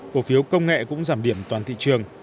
cổ phiếu công nghệ cũng giảm điểm toàn thị trường